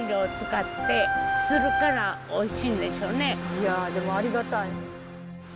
いやでもありがたい。